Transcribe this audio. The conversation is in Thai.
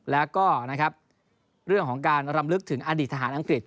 แล้วก็นะครับเรื่องของการรำลึกถึงอดีตทหารอังกฤษ